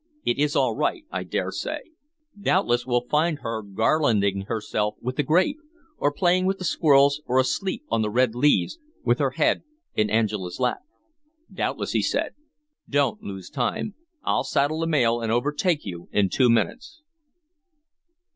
It is all right, I dare say. Doubtless we'll find her garlanding herself with the grape, or playing with the squirrels, or asleep on the red leaves, with her head in Angela's lap." "Doubtless," he said. "Don't lose time. I'll saddle the mare and overtake you in two minutes."